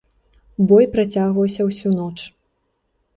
Бой працягваўся ўсю ноч.